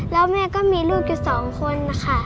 แล้วแม่ก็มีลูกอยู่๒คนค่ะ